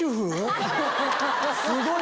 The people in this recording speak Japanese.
すごい。